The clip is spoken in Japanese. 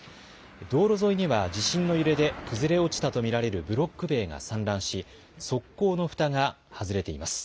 道路沿いには地震の揺れで崩れ落ちたと見られるブロック塀が散乱し、側溝のふたが外れています。